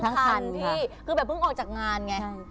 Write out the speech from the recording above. คันพี่คือแบบเพิ่งออกจากงานไง